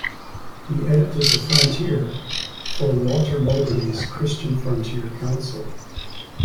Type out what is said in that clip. He edited "The Frontier" for Walter Moberly's Christian Frontier Council.